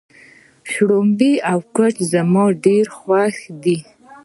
شړومبی او کوچ زما ډېر خوښ دي.